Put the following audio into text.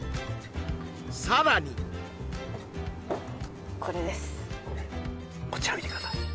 さらにこれですこちら見てください